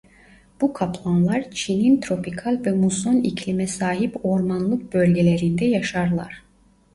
Bu kaplanlar Çin'in tropikal ve muson iklime sahip ormanlık bölgelerinde yaşarlar.